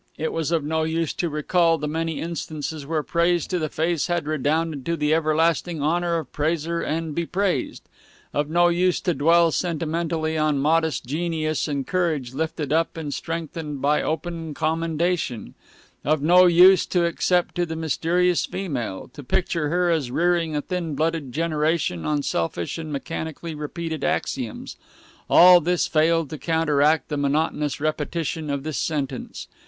It was of no use to recall the many instances where praise to the face had redounded to the everlasting honor of praiser and bepraised; of no use to dwell sentimentally on modest genius and courage lifted up and strengthened by open commendation; of no use to except to the mysterious female, to picture her as rearing a thin blooded generation on selfish and mechanically repeated axioms all this failed to counteract the monotonous repetition of this sentence.